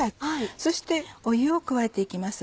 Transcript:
そして湯を加えて行きます。